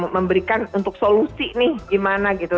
memberikan untuk solusi nih gimana gitu